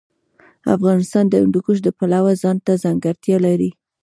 افغانستان د هندوکش د پلوه ځانته ځانګړتیا لري.